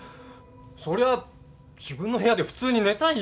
そりゃ自分の部屋で普通に寝たいよ。